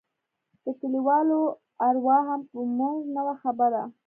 د کليوالو اروا هم په موږ نه وه خبره.